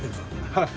はい。